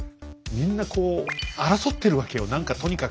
みんなこう争ってるわけよ何かとにかく。